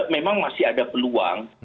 memang masih ada peluang